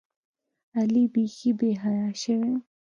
علي بیخي بېحیا شوی.